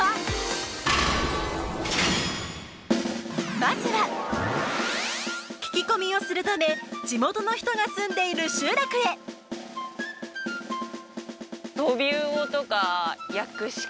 まずは聞き込みをするため地元の人が住んでいる集落へトビウオとかヤクシカ？